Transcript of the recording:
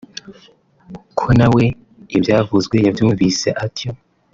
ko nawe ibyavuzwe yabyumvise atyo